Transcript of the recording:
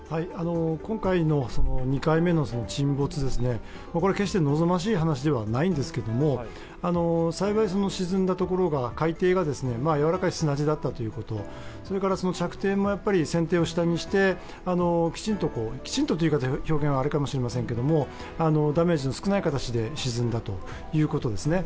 今回の２回目の沈没は決して望ましい話ではないんですけれども、幸い沈んだところが、海底がやわらかい砂地だったということ、それから着点も船底を下にして、きちんとという表現はよくないかもしれませんが、ダメージの少ない形で沈んだということですね。